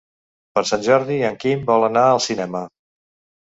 Per Sant Jordi en Quim vol anar al cinema.